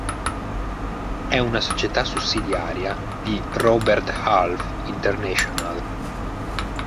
È una società sussidiaria di Robert Half International.